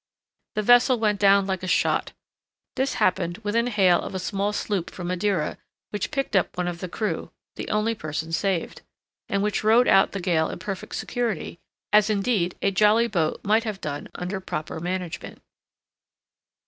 The vessel went down like a shot. This happened within hail of a small sloop from Madeira, which picked up one of the crew (the only person saved), and which rode out the gale in perfect security, as indeed a jolly boat might have done under proper management.